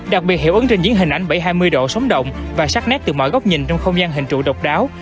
đặc biệt hiệu ứng trên diễn hình ảnh bảy trăm hai mươi độ sóng động và sắc nét từ mọi góc nhìn trong không gian hình trụ độc đáo